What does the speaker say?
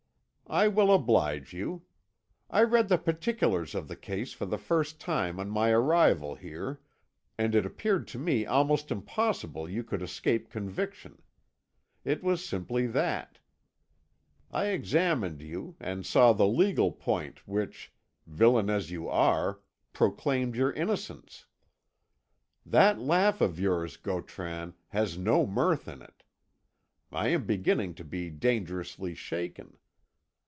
"I will oblige you. I read the particulars of the case for the first time on my arrival here, and it appeared to me almost impossible you could escape conviction. It was simply that. I examined you, and saw the legal point which, villain as you are, proclaimed your innocence. That laugh of yours, Gautran, has no mirth in it. I am beginning to be dangerously shaken.